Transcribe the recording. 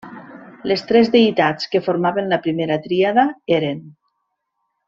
Les tres deïtats que formaven la primera tríada eren: